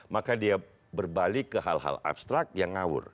maka dia berbalik ke hal hal abstrak yang ngawur